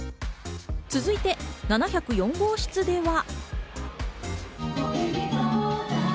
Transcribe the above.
続いて、７０４号室では。